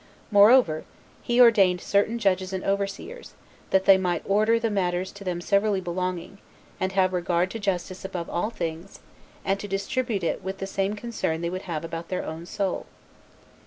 Moreover, he ordained certain judges and overseers, that they might order the matters to them severally belonging, and have regard to justice above all things, and distribute it with the same concern they would have about their own soul.